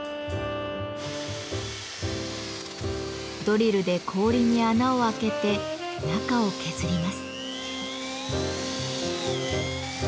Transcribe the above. ドリルで氷に穴を開けて中を削ります。